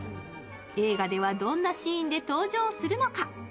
映画ではどんなシーンで登場するのか？